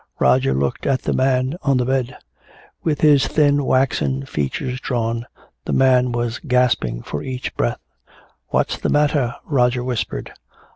Roger looked at the man on the bed. With his thin waxen features drawn, the man was gasping for each breath. "What's the matter?" Roger whispered.